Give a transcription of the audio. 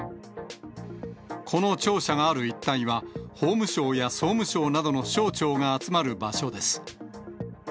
この庁舎がある一帯は、法務省や総務省などの省庁が集まる場所です。